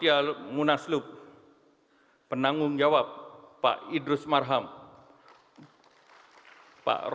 saya yakin setelah munaslup ini kita akan mengambil pelajaran yang bermanfaat betapapun pahitnya untuk bekerja lebih giat lagi dalam membesarkan partai golkar